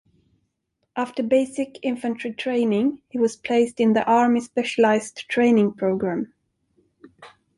After basic infantry training, he was placed in the Army Specialized Training Program.